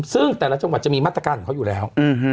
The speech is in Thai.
ซึ่งแต่ละจังหวัดจะมีมาตรการของเขาอยู่แล้ว